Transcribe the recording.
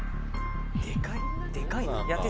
でかいな。